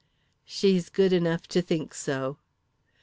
"'She's good enough to think so.'